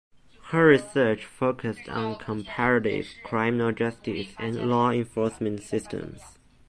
Her research focused on comparative criminal justice and law enforcement systems.